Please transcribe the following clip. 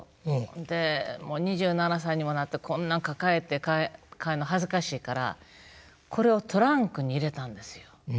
で２７歳にもなってこんなん抱えて帰んの恥ずかしいからこれをトランクに入れたんですよ。